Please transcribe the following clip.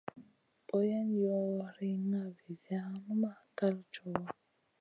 Boyen yoh riŋa viziya, numaʼ kal cowa.